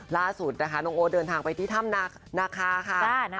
ล่าสุดนะคะน้องโอ๊ตเดินทางไปที่ถ้ำนาคาค่ะ